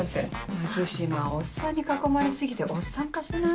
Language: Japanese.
松島おっさんに囲まれ過ぎておっさん化してない？